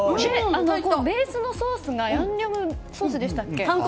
ベースのソースがヤンニョムソースでしたっけ。